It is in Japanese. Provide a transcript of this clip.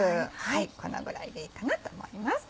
このぐらいでいいかなと思います。